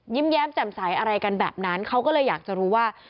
แย้มแจ่มใสอะไรกันแบบนั้นเขาก็เลยอยากจะรู้ว่า